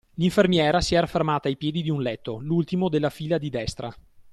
L'infermiera si era fermata ai piedi di un letto, l'ultimo della fila di destra.